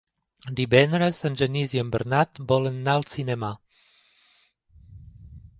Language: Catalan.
Divendres en Genís i en Bernat volen anar al cinema.